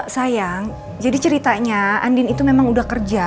sayang jadi ceritanya andin itu memang udah kerja